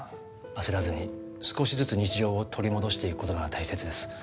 焦らずに少しずつ日常を取り戻していくことが大切です